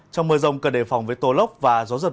trong mưa rông cần đề phòng với tổ lốc và gió giật mưa